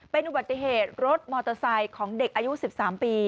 เป็นอุบัติเหตุรถมอเตอร์ไซค์ของเด็กอายุ๑๓ปี